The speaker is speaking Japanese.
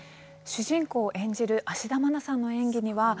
主人公を演じる芦田愛菜さんの演技